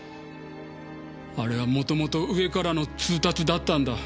あれはもともと上からの通達だったんだ。